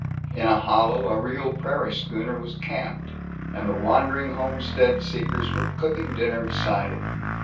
In a hollow a real prairie schooner was camped, and the wandering homestead seekers were cooking dinner beside it.